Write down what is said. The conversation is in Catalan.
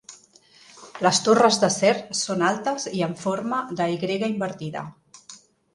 Les torres d'acer són altes i amb forma d'Y invertida.